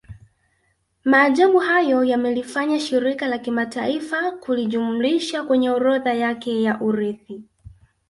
Maajabu hayo yamelifanya Shirika la Kimataifa kulijumlisha kwenye orodha yake ya urithi